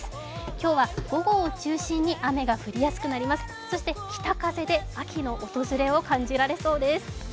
今日は午後を中心に雨が降りやすくなりますそして北風で秋の訪れを感じられそうです。